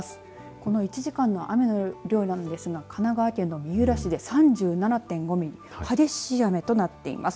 この１時間の雨の量なんですが神奈川県の三浦市で３７．５ミリ激しい雨となっています。